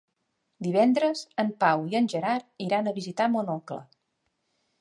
Divendres en Pau i en Gerard iran a visitar mon oncle.